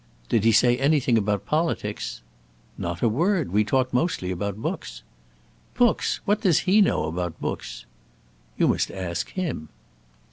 "Did he say anything about politics?" "Not a word. We talked mostly about books." "Books! What does he know about books?" "You must ask him."